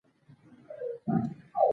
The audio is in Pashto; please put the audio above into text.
ټول خلک باید برابر حقونه او فرصتونه ولري